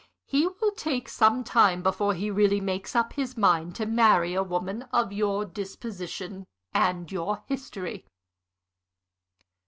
He will take some time before he really makes up his mind to marry a woman of your disposition and your history."